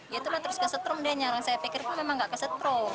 ya itu lah terus kesetrum deh nyarang saya pikir itu memang gak kesetrum